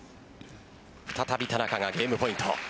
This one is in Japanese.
再び田中がゲームポイント。